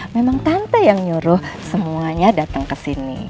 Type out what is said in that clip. memang tante yang nyuruh semuanya datang kesini